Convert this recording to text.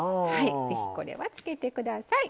ぜひこれはつけて下さい。